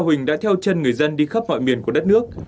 huỳnh đã theo chân người dân đi khắp mọi miền của đất nước